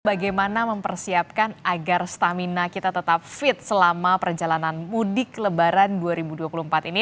bagaimana mempersiapkan agar stamina kita tetap fit selama perjalanan mudik lebaran dua ribu dua puluh empat ini